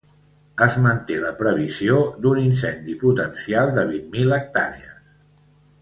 Es manté la previsió d’un incendi potencial de vint mil hectàrees.